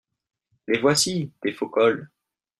Les voici, tes faux cols !